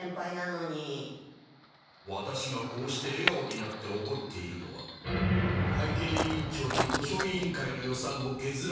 ワタシがこうしてえがおになっておこっているのは会計委員長に図書委員会の予算をけずられたからだ。